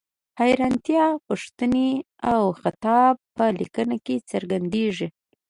حیرانتیا، پوښتنې او خطاب په لیکنه کې څرګندیږي.